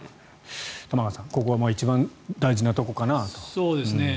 玉川さん、ここは一番大事なところかなと。